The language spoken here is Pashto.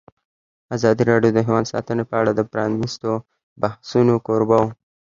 ازادي راډیو د حیوان ساتنه په اړه د پرانیستو بحثونو کوربه وه.